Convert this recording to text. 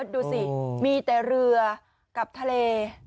ดูสิมีแต่เรือกับทะเล